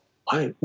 はい。